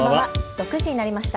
６時になりました。